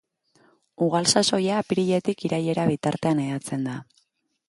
Ugal sasoia apiriletik irailera bitartean hedatzen da.